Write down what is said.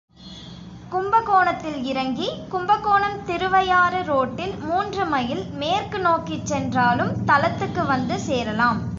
கும்பகோணத்தில் இறங்கி, கும்பகோணம் திருவையாறு ரோட்டில் மூன்று மைல் மேற்கு நோக்கிச் சென்றாலும் தலத்துக்கு வந்து சேரலாம்.